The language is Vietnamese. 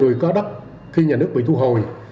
người có đất khi nhà nước bị thu hồi